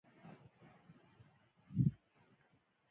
د غزني په اندړ کې د سرو زرو نښې شته.